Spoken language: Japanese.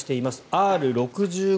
Ｒ６５